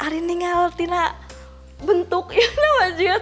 tidak ada yang bisa dibentukin ya